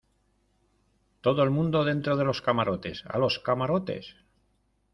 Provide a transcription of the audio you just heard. ¡ todo el mundo dentro de los camarotes! ¡ a los camarotes !